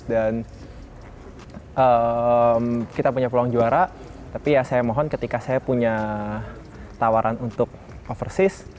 dan kita punya peluang juara tapi ya saya mohon ketika saya punya tawaran untuk overseas